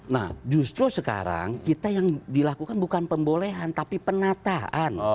nah justru sekarang kita yang dilakukan bukan pembolehan tapi penataan